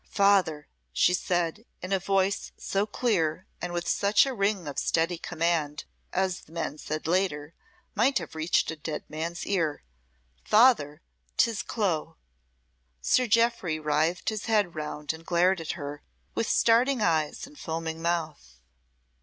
"Father," she said, in a voice so clear, and with such a ring of steady command, as, the men said later, might have reached a dead man's ear. "Father, 'tis Clo!" Sir Jeoffry writhed his head round and glared at her, with starting eyes and foaming mouth.